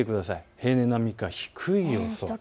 平年並みか低い予想です。